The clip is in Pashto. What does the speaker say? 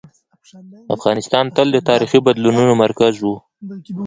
افغانستان تل د تاریخي بدلونونو مرکز و.